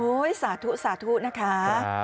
โอ้ยสาธุนะคะ